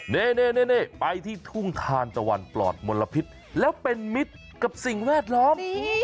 นี่ไปที่ทุ่งทานตะวันปลอดมลพิษแล้วเป็นมิตรกับสิ่งแวดล้อม